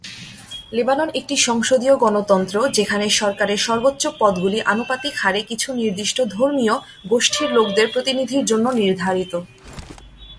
Lebanon একটি সংসদীয় গণতন্ত্র যেখানে সরকারের সর্বোচ্চ পদগুলি আনুপাতিক হারে কিছু নির্দিষ্ট ধর্মীয় গোষ্ঠীর লোকদের প্রতিনিধির জন্য নির্ধারিত।